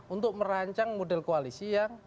untuk merancang model koalisi yang